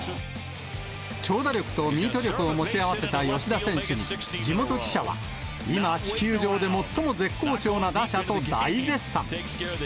長打力とミート力を持ち合わせた吉田選手に、地元記者は、今、地球上で最も絶好調な打者と大絶賛。